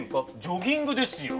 ジョギングですよ。